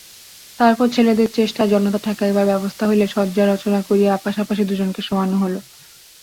তারপর ছেলেদের চেষ্টায় জনতা ঠেকাইবার ব্যবস্থা হইলে শয্যা রচনা করিয়া পাশাপাশি দুজনকে শোয়োনো হল।